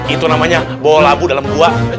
itu namanya bawa labu dalam gua